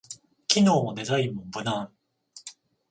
機能もデザインも無難